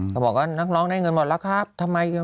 เขาบอกว่านักร้องได้เงินหมดแล้วครับทำไม